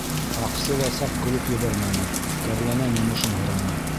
Һаҡсы ла саҡ көлөп ебәрмәне, кәрләнән йомошон һораны.